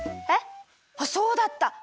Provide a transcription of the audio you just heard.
あっそうだった！